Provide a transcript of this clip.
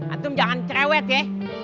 antum jangan cerewet ya